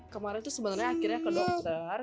kemarin tuh sebenernya akhirnya ke dokter